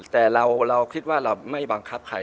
แต่เราคิดว่าเราไม่บังคับใคร